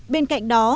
bên cạnh đó